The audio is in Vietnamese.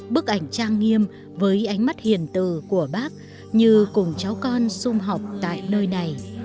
bức ảnh trang nghiêm với ánh mắt hiền từ của bác như cùng cháu con xung học tại nơi này